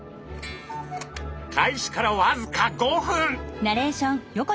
開始からわずか５分。